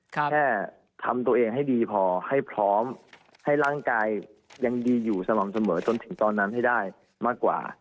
แค่ทำตัวเองให้ดีพอให้พร้อมให้ร่างกายยังดีอยู่สม่ำเสมอจนถึงตอนนั้นให้ได้มากกว่า